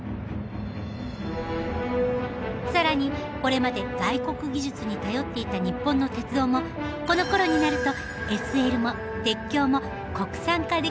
更にこれまで外国技術に頼っていた日本の鉄道もこのころになるとＳＬも鉄橋も国産化できるようになったのです。